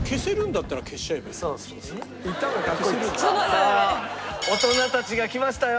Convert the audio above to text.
さあ大人たちがきましたよ。